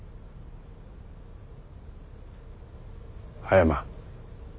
葉山。